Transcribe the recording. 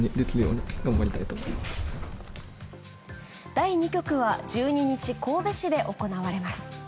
第２局は１２日、神戸市で行われます。